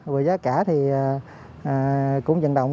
với giá cả cũng dành động